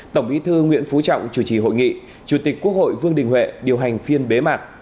tổng bí thư nguyễn phú trọng chủ trì hội nghị chủ tịch quốc hội vương đình huệ điều hành phiên bế mạc